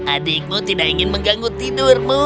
adikmu tidak ingin mengganggu tidurmu